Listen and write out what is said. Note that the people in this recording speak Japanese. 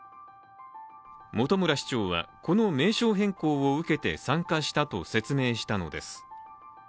本村市長は、この名称変更を受けて参加したと説明したのです。